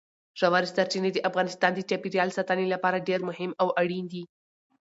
ژورې سرچینې د افغانستان د چاپیریال ساتنې لپاره ډېر مهم او اړین دي.